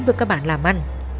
với các bạn làm ăn